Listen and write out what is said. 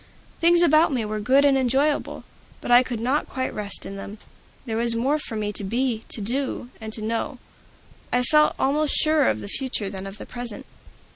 Things about me were good and enjoyable, but I could not quite rest in them; there was more for me to be, to know, and to do. I felt almost surer of the future than of the present.